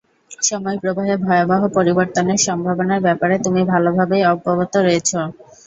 সময় প্রবাহে ভয়াবহ পরিবর্তনের সম্ভাবনার ব্যাপারে তুমি ভালোভাবেই অবগত রয়েছো।